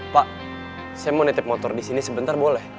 pak saya mau nitip motor disini sebentar boleh